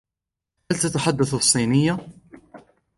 هل تتحدث الصينية؟